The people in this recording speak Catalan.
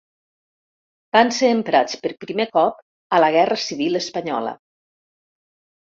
Van ser emprats per primer cop a la Guerra civil espanyola.